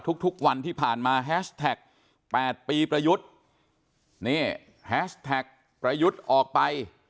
ทุกวันที่ผ่านมาแฮชแท็ก๘ปีประยุทธ์นี่แฮชแท็กประยุทธ์ออกไป